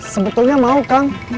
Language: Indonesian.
sebetulnya mau kang